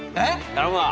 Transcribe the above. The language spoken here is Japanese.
頼むわ。